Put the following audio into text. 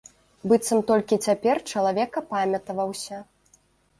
Быццам толькі цяпер чалавек апамятаваўся.